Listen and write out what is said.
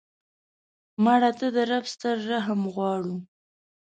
مړه ته د رب ستر رحم غواړو